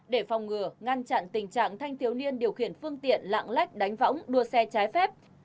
để phòng ngừa ngăn chặn tình trạng thanh thiếu niên điều khiển phương tiện lạng lách đánh võng đua xe trái phép